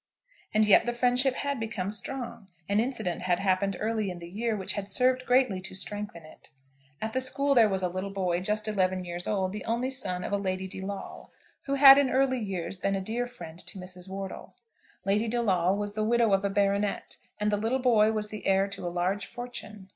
And yet the friendship had become strong. An incident had happened early in the year which had served greatly to strengthen it. At the school there was a little boy, just eleven years old, the only son of a Lady De Lawle, who had in early years been a dear friend to Mrs. Wortle. Lady De Lawle was the widow of a baronet, and the little boy was the heir to a large fortune.